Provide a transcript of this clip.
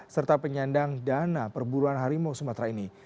serta penyandang dana perburuan harimau sumatera ini